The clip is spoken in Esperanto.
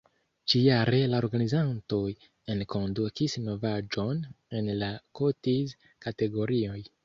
Ĉi-jare la organizantoj enkondukis novaĵon en la kotiz-kategorioj.